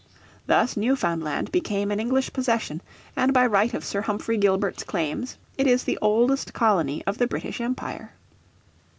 Thus Newfoundland became an English possession, and by right of Sir Humphrey Gilbert's claims it is the oldest colony of the British Empire.